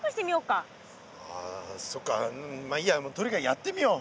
ああそっかまあいいやとにかくやってみよう。